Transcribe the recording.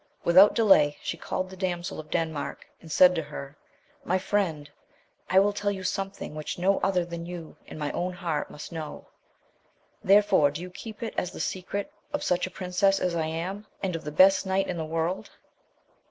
Without delay she called the damsel of Denmark, and said to her, My friend, I will tell you something which no other than you and my own heart must know; therefore, do you keep it as the secret' of such a prin cess as I am, and of the best knight in the world.